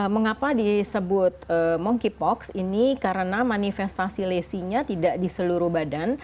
mengapa disebut monkeypox ini karena manifestasi lesinya tidak di seluruh badan